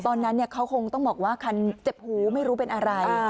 ตอนนั้นเขาคงต้องบอกว่าคันเจ็บหูไม่รู้เป็นอะไร